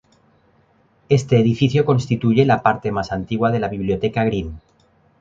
Este edificio constituye la parte más antigua de la Biblioteca Green.